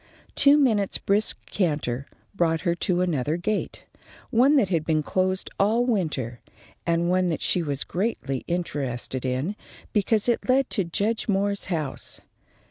Two minutes' brisk canter brought her to another gate, one that had been closed all winter, and one that she was greatly interested in, because it led to Judge Moore's house.